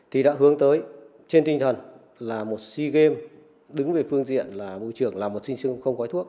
thì đã hướng tới trên tinh thần là một sea games đứng về phương diện là môi trường là một sinh sương không khói thuốc